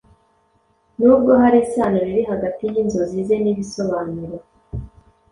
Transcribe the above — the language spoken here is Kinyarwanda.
Nubwo hari isano riri hagati yinzozi ze nibisobanuro